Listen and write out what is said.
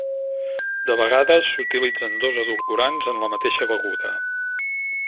De vegades, s'utilitzen dos edulcorants en la mateixa beguda.